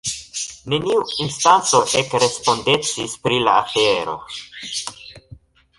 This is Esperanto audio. Neniu instanco ekrespondecis pri la afero.